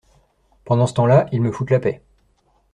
Pendant ce temps-là, ils me foutent la paix.